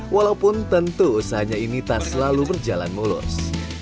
walaupun tentu usahanya ini tak selalu berjalan mulus